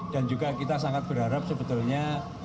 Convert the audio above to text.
dan juga kita sangat berharap sebetulnya